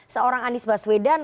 seorang anies baswedan